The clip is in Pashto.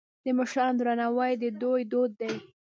د مشرانو درناوی د دوی دود دی.